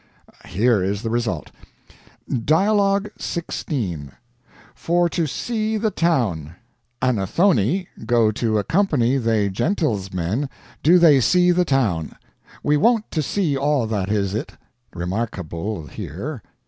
Here is the result: DIALOGUE 16 For To See the Town Anothony, go to accompany they gentilsmen, do they see the town. We won't to see all that is it remarquable here.